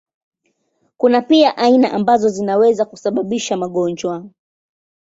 Kuna pia aina ambazo zinaweza kusababisha magonjwa.